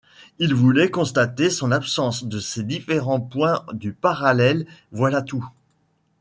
Ils voulaient constater son absence de ces différents points du parallèle, voilà tout.